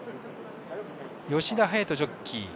吉田隼人ジョッキー